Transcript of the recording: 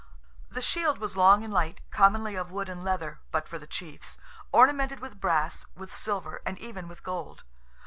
The shield was long and light, commonly of wood and leather, but for the chiefs, ornamented with brass, with silver, and even with gold.